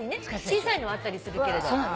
小さいのはあったりするけれど。